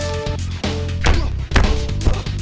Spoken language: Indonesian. kau lo mesti tahu